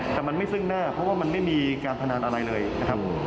แต่มันไม่ซึ่งหน้าเพราะว่ามันไม่มีการพนันอะไรเลยนะครับ